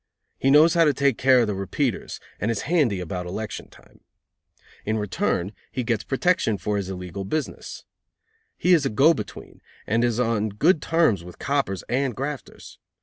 He knows how to take care of the repeaters, and is handy about election time. In return he gets protection for his illegal business. He is a go between, and is on good terms with coppers and grafters.